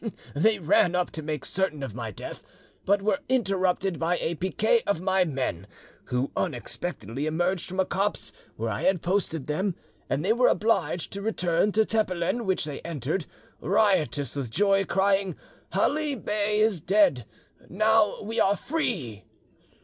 "They ran up to make certain of my death, but were interrupted by a piquet of my men, who unexpectedly emerged from a copse where I had posted them, and they were obliged to return to Tepelen, which they entered, riotous with joy, crying 'Ali Bey is dead, now we are free!